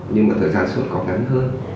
nhưng mà thời gian sốt còn ngắn hơn